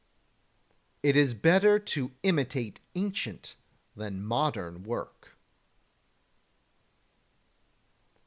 30. It is better to imitate ancient than modern work.